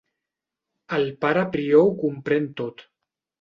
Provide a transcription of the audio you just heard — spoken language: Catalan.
El pare prior ho comprèn tot.